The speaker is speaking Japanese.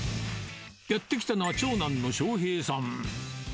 やって来たのは、長男の渉平さん。